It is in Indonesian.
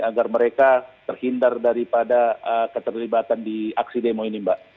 agar mereka terhindar daripada keterlibatan di aksi demo ini mbak